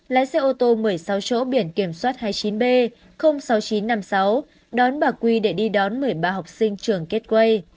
lái xe ô tô một mươi sáu chỗ biển kiểm soát hai mươi chín b sáu nghìn chín trăm năm mươi sáu đón bà quy để đi đón một mươi ba học sinh trường kết quây